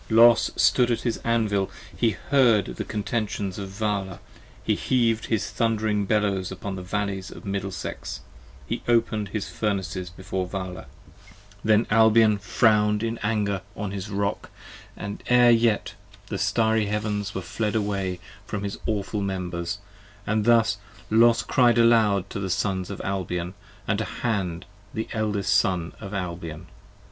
Los stood at his Anvil: he heard the contentions of Vala, He heav'd his thund'ring Bellows upon the valleys of Middlesex, He open'd his Furnaces before Vala; then Albion frown'd in anger 38 20 On his Rock, ere yet the Starry Heavens were fled away From his awful Members; and thus Los cried aloud To the Sons of Albion & to Hand the eldest Son of Albion.